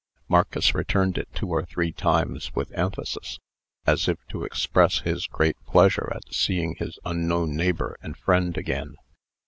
Marcus returned it two or three times with emphasis, as if to express his great pleasure at seeing his unknown neighbor and friend again.